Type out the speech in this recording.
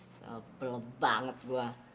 sebel banget gua